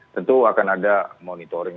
tentu akan ada monitoring